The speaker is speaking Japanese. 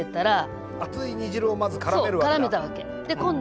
熱い煮汁をまずからめるわけだ。